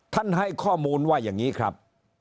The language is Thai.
ให้ข้อมูลว่าอย่างนี้ครับ